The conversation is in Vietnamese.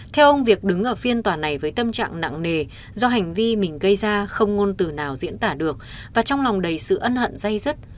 theo ông việc đứng ở phiên tòa này với tâm trạng nặng nề do hành vi mình gây ra không ngôn từ nào diễn tả được và trong lòng đầy sự ân hận dây dứt